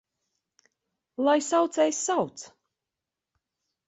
Lai saucējs sauc!